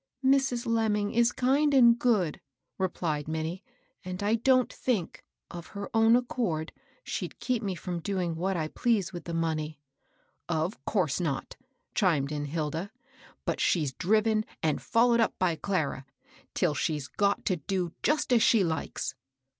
"Mrs. Lemming is kind and good," replied Minnie ;" and I don't think, of her own accord. 124 MABEL BOSS. she'd keep me from doing what I please with the money." " Of course not," chimed in Hilda. " But she's driven and followed up by Clara, till she's got to do just as she likes.